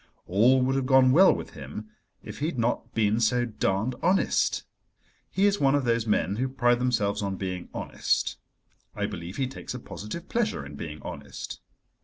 All would have gone well with him if he had not been so darned honest. He is one of those men who pride themselves on being honest. I believe he takes a positive pleasure in being honest.